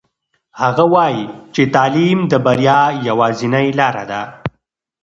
هغه وایي چې تعلیم د بریا یوازینۍ لاره ده.